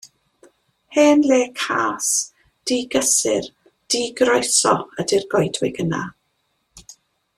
Hen le cas, digysur, digroeso ydi'r goedwig yna.